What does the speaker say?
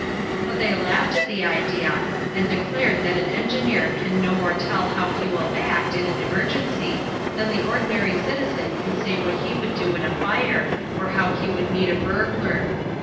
But they laughed at the idea, and declared that an engineer can no more tell how he will act in an emergency than the ordinary citizen can say what he would do in a fire, or how he would meet a burglar.